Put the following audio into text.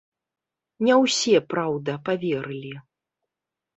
Не ўсе, праўда, паверылі.